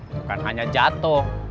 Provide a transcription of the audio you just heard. bukan hanya jatuh